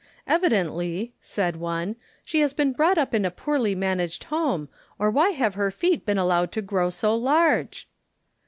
"Evidently," said one, "she has been brought up in a poorly managed home or why have her feet been allowed to grow so large?"